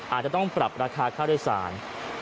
อาจจะต้องปรับราคาค่าโดยสาร